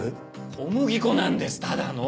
小麦粉なんですただの。